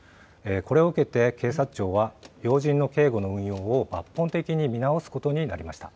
これを受けて、警察庁は、要人の警護の運用を抜本的に見直すことになりました。